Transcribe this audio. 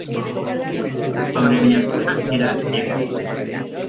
Su abreviatura era "s.